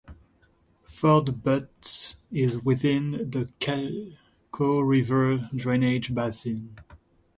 Ford Butte is within the Chaco River drainage basin.